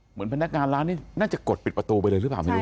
พนักงานร้านนี่น่าจะกดปิดประตูไปเลยหรือเปล่าไม่รู้